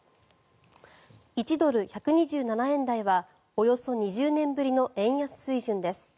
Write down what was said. １ドル＝１２７円台はおよそ２０年ぶりの円安水準です。